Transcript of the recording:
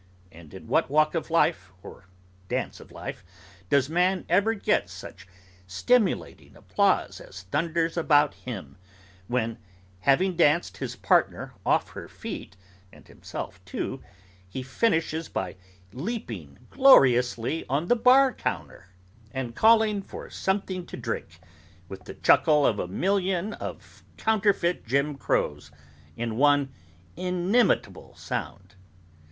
And in what walk of life, or dance of life, does man ever get such stimulating applause as thunders about him, when, having danced his partner off her feet, and himself too, he finishes by leaping gloriously on the bar counter, and calling for something to drink, with the chuckle of a million of counterfeit Jim Crows, in one inimitable sound!